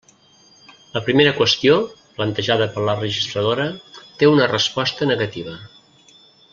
La primera qüestió, plantejada per la registradora, té una resposta negativa.